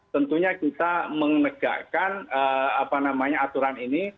tentunya kita menegakkan aturan ini